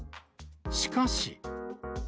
しかし。